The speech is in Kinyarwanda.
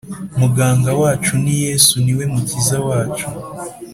Muganga wacu ni yesu niwe mukiza wacu